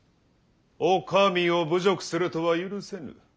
お上を侮辱するとは許せぬ！